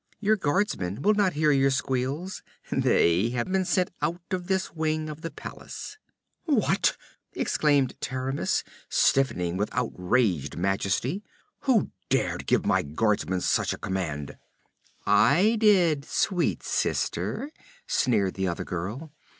Your guardsmen will not hear your squeals; they have been sent out of this wing of the palace.' 'What!' exclaimed Taramis, stiffening with outraged majesty. 'Who dared give my guardsmen such a command?' 'I did, sweet sister,' sneered the other girl.